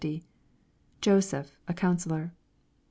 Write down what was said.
— [Joseph, a counsellor.